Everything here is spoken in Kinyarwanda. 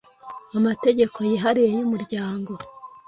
amategeko yihariye yu muryango